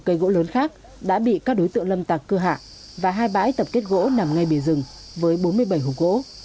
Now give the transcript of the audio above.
cây gỗ lớn khác đã bị các đối tượng lâm tạc cưa hạ và hai bãi tập kết gỗ nằm ngay bề rừng với bốn mươi bảy hộp gỗ